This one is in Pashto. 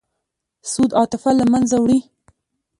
سود عاطفه له منځه وړي.